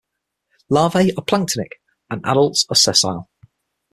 Larvae are planktonic and adults are sessile.